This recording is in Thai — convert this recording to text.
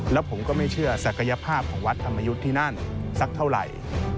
แล้วผมก็ไม่เชื่อศักยภาพของวัดธรรมยุทธ์ที่นั่นสักเท่าไหร่